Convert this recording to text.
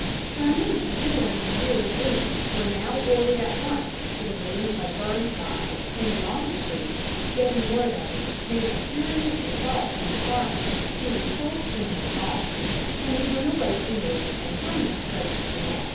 Sherman's worn and weary boys were now ordered at once to the relief of Burnside, and Longstreet, getting word of it, made a furious assault on the former, who repulsed him with loss, and he went away from there as Sherman approached from the west.